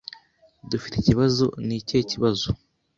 "Dufite ikibazo." "Ni ikihe kibazo?"